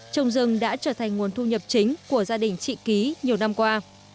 trồng rừng đã trở thành nguồn thu nhập chính của gia đình chị ký nhiều năm qua